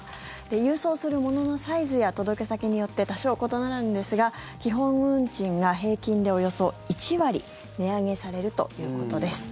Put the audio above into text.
郵送するもののサイズや届け先によって多少異なるんですが基本運賃が平均でおよそ１割値上げされるということです。